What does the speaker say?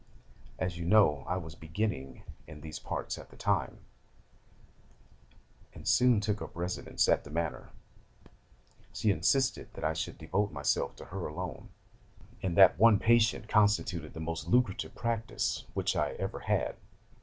As you know, I was "beginning" in these parts at the time, and soon took up my residence at the manor. She insisted that I should devote myself to her alone; and that one patient constituted the most lucrative practice which I ever had.